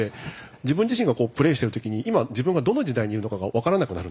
自分自身がこうプレイしてる時に今自分がどの時代にいるのかが分からなくなるんですよ。